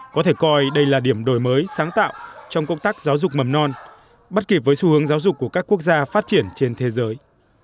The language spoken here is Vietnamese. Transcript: có thể coi đây là điểm đổi mới sáng tạo trong công tác giáo dục mầm non bắt kịp với xu hướng giáo dục của các quốc gia phát triển trên thế giới